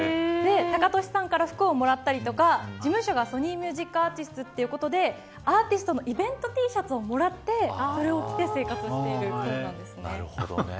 タカトシさんから服をもらったりとか事務所がソニー・ミュージックアーティスツということでアーティストのイベントＴシャツをもらってそれを着てなるほどね。